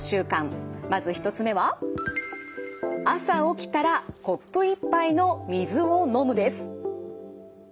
まず１つ目は「朝起きたらコップ１杯の水を飲む」。